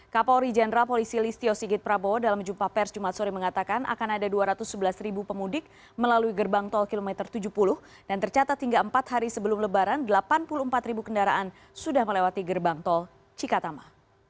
kapolri jenderal polisi listio sigit prabowo dalam jumpa pers jumat sore mengatakan akan ada dua ratus sebelas ribu pemudik melalui gerbang tol kilometer tujuh puluh dan tercatat hingga empat hari sebelum lebaran delapan puluh empat ribu kendaraan sudah melewati gerbang tol cikatama